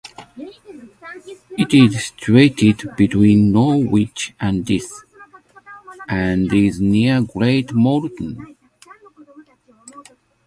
It is situated between Norwich and Diss, and is near Great Moulton.